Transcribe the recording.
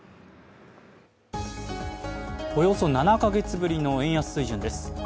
およそ７か月ぶりの円安水準です。